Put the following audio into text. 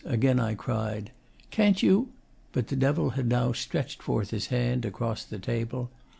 again I cried. 'Can't you' but the Devil had now stretched forth his hand across the table.